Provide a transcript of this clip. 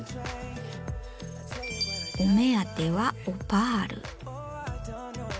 お目当てはオパール。